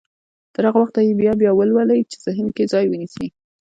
تر هغه وخته يې بيا بيا يې ولولئ چې ذهن کې ځای ونيسي.